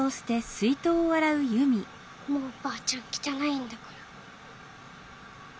もうばあちゃんきたないんだから。